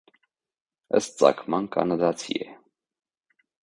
Ըստ ծագման կանադացի է։